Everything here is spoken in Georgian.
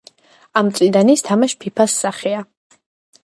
ამ წლიდან ის თამაშ ფიფას სახეა.